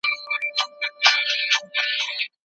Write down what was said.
د ځيني مفسرينو تفسيرونه مي راواخيستل.